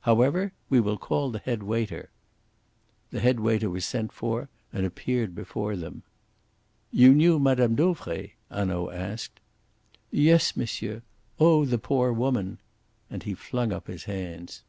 However, we will call the head waiter." The head waiter was sent for and appeared before them. "You knew Mme. Dauvray?" Hanaud asked. "Yes, monsieur oh, the poor woman! And he flung up his hands.